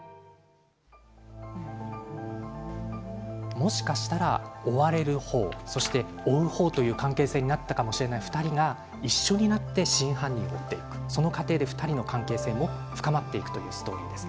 もしかしたら追われる方追う方という関係性になったかもしれない２人が一緒になって真犯人を追っていくその過程で２人の関係性も深まっていくというストーリーです。